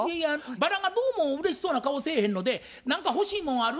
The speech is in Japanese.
バラがどうもうれしそうな顔せえへんので「何か欲しいもんある？